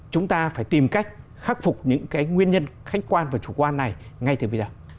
chúng ta phải tìm cách khắc phục những cái nguyên nhân khách quan và chủ quan này ngay từ bây giờ